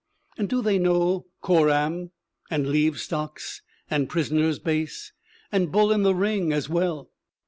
And do they know coram, and leave stocks, and prisoners' base, and bull in the ring as well?